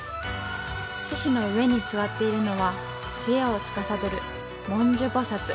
獅子の上に座っているのは知恵をつかさどる文殊菩薩。